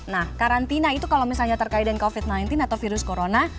nah karantina itu kalau misalnya terkait dengan covid sembilan belas atau virus corona